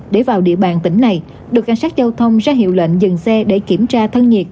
để vào địa bàn tỉnh này đội cảnh sát giao thông ra hiệu lệnh dừng xe để kiểm tra thân nhiệt